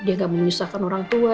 dia gak menyusahkan orang tua